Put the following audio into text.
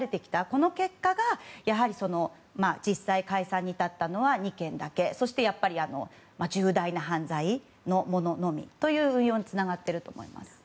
この結果が実際、解散に至ったのは２件だけ、そして、やっぱり重大な犯罪のもののみという運用につながっていると思います。